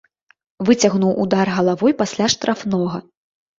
Выцягнуў удар галавой пасля штрафнога.